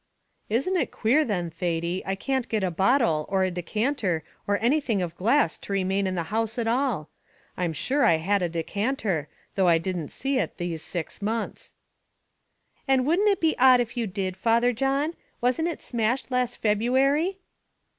"Isn't it queer, then, Thady, I can't get a bottle, or a decanter, or anything of glass to remain in the house at all? I'm sure I had a decanter, though I didn't see it these six months." "And wouldn't it be odd if you did, Father John? wasn't it smashed last February?"